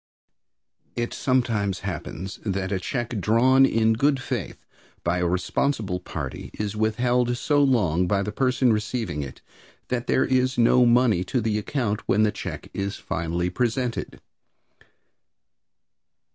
It sometimes happens that a check drawn in good faith by a responsible party is withheld so long by the person receiving it that there is no money to the account when the check is finally presented.